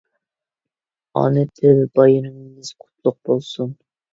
ئانا تىل بايرىمىمىز قۇتلۇق بولسۇن!